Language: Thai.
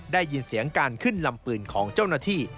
ได้ยินเสียงการขึ้นลำปืนของเจ้าหน้าที่